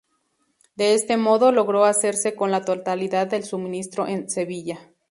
De este modo, logró hacerse con la totalidad del suministro en Sevilla.